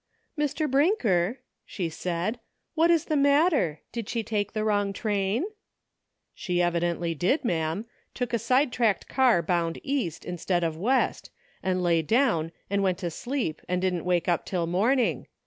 "Mr. Brinker,"8he said, "what is the matter? did she take the wrong train?" "She evidently did, ma'am; took a side tracked car bound east, instead of west, and lay down and went to sleep and didn't wake up till morning.